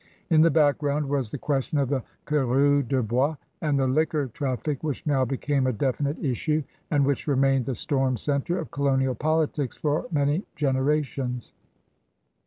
In the background was the ques tion of the coureurs de bois and the liquor traffic which now became a definite issue and which remained the storm centre of colonial politics for many generations.